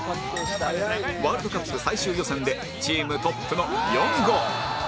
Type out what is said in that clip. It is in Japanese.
ワールドカップ最終予選でチームトップの４ゴール